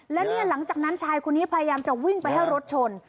แล้วเนี่ยหลังจากนั้นชายคนนี้พยายามจะวิ่งไปให้รถชน